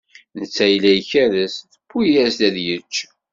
Netta yella ikerrez, tewwi-as ad yečč.